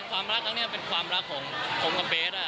ความรักครั้งนี้เป็นความรักของผมกับเบส